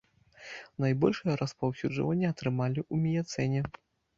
Найбольшае распаўсюджванне атрымалі ў міяцэне.